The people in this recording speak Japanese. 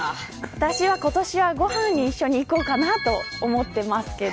私は今年は一緒にご飯に行こうかなと思ってますけど。